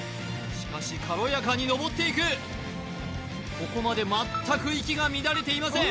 しかし軽やかにのぼっていくここまで全く息が乱れていません